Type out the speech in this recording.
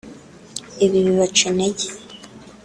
Ibi bibaca intege